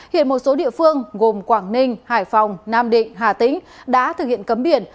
hiện một số địa phương gồm quảng ninh hải phòng nam định hà tĩnh đã thực hiện cấm biển